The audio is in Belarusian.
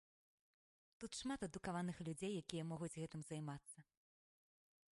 Тут шмат адукаваных людзей, якія могуць гэтым займацца.